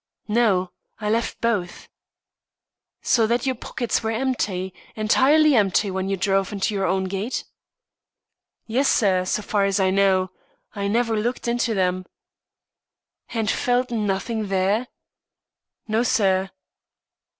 "No, I left both." "So that your pockets were empty entirely empty when you drove into your own gate?" "Yes, sir, so far as I know. I never looked into them." "And felt nothing there?" "No, sir."